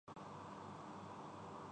مکمل خاموشی ہے۔